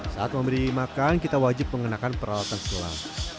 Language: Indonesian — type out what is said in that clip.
saat memberi makan kita wajib mengenakan peralatan selam